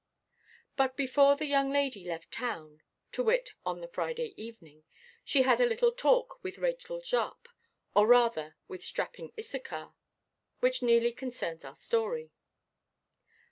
But before the young lady left town—to wit, on the Friday evening—she had a little talk with Rachel Jupp, or rather with strapping Issachar, which nearly concerns our story.